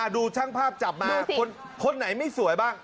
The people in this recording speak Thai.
ดูช่างภาพจับมาคนไหนไม่สวยบ้าง